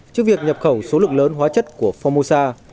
những việc nhập khẩu số lượng lớn hóa chất của phong mô sa